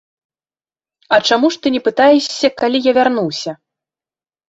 А чаму ж ты не пытаешся, калі я вярнуся?